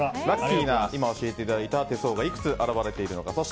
ラッキーな今、教えていただいた手相がいくつ現れているのか。